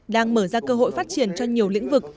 đang mở ra cơ hội phát triển cho nhiều lĩnh vực